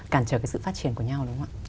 cản trở cái sự phát triển của nhau đúng không ạ